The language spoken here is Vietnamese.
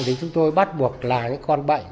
thì chúng tôi bắt buộc là những con bệnh